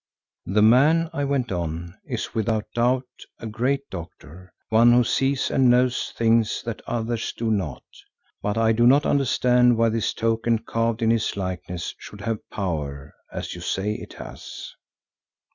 "The man," I went on, "is without doubt a great doctor, one who sees and knows things that others do not, but I do not understand why this token carved in his likeness should have power, as you say it has."